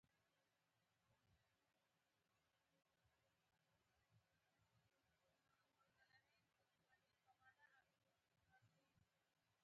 د هغه مور يوازې يوې خبرې ته متوجه وه.